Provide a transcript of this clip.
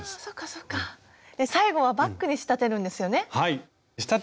最後はバッグに仕立てるんですよね？